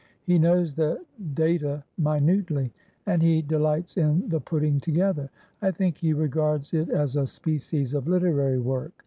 He knows the data minutely, and he delights in the putting together. I think he regards it as a species of literary work.